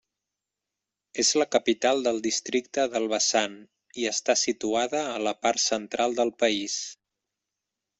És la capital del districte d'Elbasan, i està situada a la part central del país.